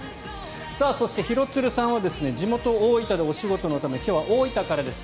そして廣津留さんは地元・大分でお仕事のため今日は大分からです。